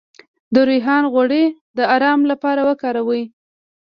د ریحان غوړي د ارام لپاره وکاروئ